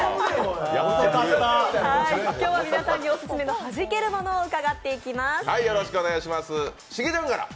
今日は皆さんにオススメのハジけるものを伺っていきます。